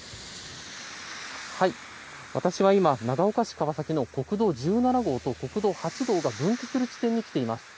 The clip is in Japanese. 私は今長岡市川崎の国道１７号と国道８号が分岐する地点に来ています。